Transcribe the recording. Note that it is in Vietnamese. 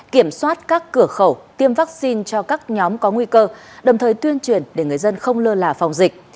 kiểm soát các cửa khẩu tiêm vaccine cho các nhóm có nguy cơ đồng thời tuyên truyền để người dân không lơ là phòng dịch